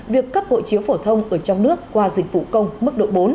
việc cấp hộ chiếu phổ thông ở trong nước qua dịch vụ công mức độ bốn